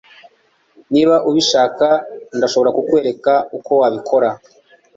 Niba ubishaka ndashobora kukwereka uko wabikora